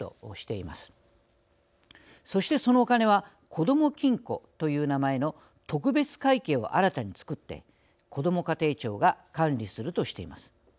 そしてそのお金はこども金庫という名前の特別会計を新たに作ってこども家庭庁が管理するとしています。